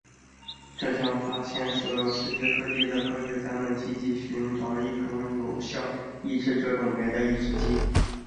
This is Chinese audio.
这项发现使得世界各地的科学家们积极寻找一种有效抑制这种酶的抑制剂。